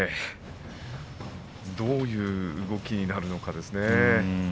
どういう動きになるのかですね。